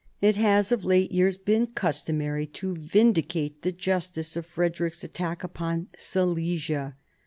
It has of late years been customary to vindicate the justice of Frederick's attack upon Silesia.